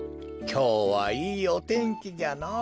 きょうはいいおてんきじゃのぉ。